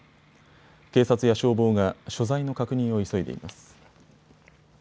警察や消防が所在の確認を急いでいます。